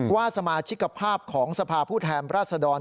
ว่าสมาชิกภาพของสภาพผู้แทนราชดร